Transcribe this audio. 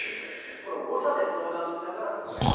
この５者で相談しながら進めます。